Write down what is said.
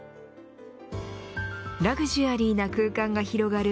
ラグジュアリーな空間が広がる